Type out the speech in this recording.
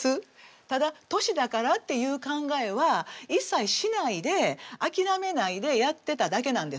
ただ「年だから」っていう考えは一切しないで諦めないでやってただけなんですよ。